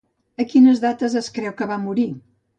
A quines dates es creu que va morir?